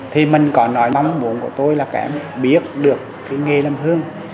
thì mình có nói mong muốn của tôi là các em biết được cái nghề làm hương